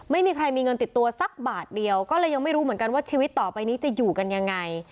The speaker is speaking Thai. ไม่มีใครมีเงินติดตัวสักบาทเดียวก็เลยยังไม่รู้เหมือนกันว่าชีวิตต่อไปนี้จะอยู่กันยังไง